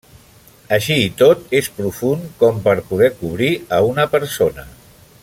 Així i tot, és profund com per poder cobrir a una persona.